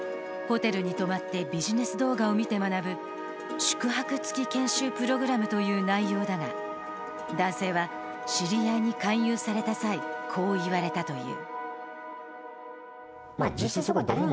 ホテルに泊まってビジネス動画を見て学ぶ宿泊つき研修プログラムという内容だが男性は知り合いに勧誘された際、こう言われたという。